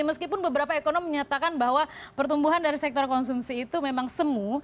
meskipun beberapa ekonomi menyatakan bahwa pertumbuhan dari sektor konsumsi itu memang semuh